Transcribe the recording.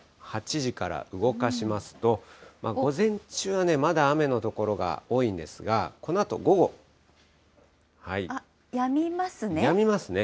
８時から動かしますと、午前中はまだ雨の所が多いんですが、このやみますね。